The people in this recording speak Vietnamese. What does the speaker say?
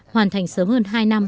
hoàn thành sớm hơn hai năm